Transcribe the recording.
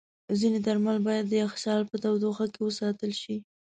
ځینې درمل باید د یخچال په تودوخه کې وساتل شي.